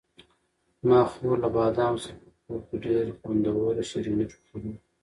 زما خور له بادامو څخه په کور کې ډېر خوندور شیریني پخوي.